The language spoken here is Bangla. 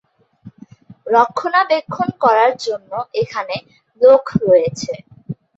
রক্ষণাবেক্ষণ করার জন্য এখানে লোক রয়েছে।